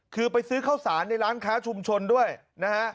คือไปซื้อข้าวสารในร้านค้าชุมชนด้วยนะฮะ